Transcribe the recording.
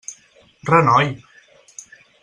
Renoi!